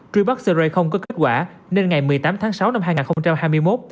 truy bắt sơ rây không có kết quả nên ngày một mươi tám tháng sáu năm hai nghìn hai mươi một